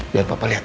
biar papa lihat